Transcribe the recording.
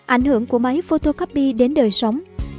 ảnh hưởng của máy photocopy đến đời sống